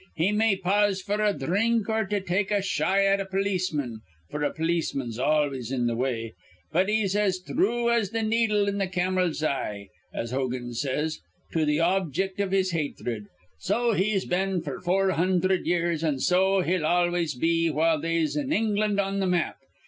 He may pause f'r a dhrink or to take a shy at a polisman, f'r a polisman's always in th' way, but he's as thrue as th' needle in th' camel's eye, as Hogan says, to th' objec' iv his hathred. So he's been f'r four hundherd years, an' so he'll always be while they'se an England on th' map.